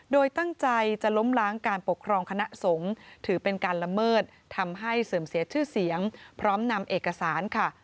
โดยตั้งใจจะล้มล้างการปกครองคณะสงฆ์ถือเป็นการละเมิดทำให้เสื่อมเสียชื่อเสียงพร้อมนำเอกสารค่ะ